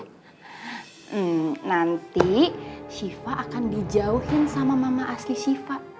hmm nanti shiva akan dijauhin sama mama asli syifa